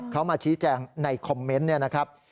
เขามาชี้แจงในคอมเมนต์เนี่ยนะครับ